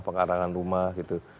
pengarahkan rumah gitu